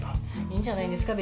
いいんじゃないんですか？